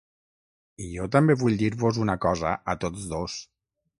I jo també vull dir-vos una cosa a tots dos.